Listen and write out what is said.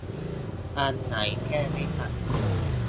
อันไหนแก้ไม่ทัน